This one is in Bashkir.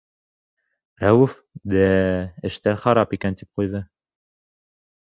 Рәүеф, дә-ә, эштәр харап икән, тип ҡуйҙы.